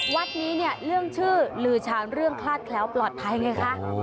วัดนี้เนี่ยเรื่องชื่อลือชาญเรื่องคลาดแคล้วปลอดภัยไงคะ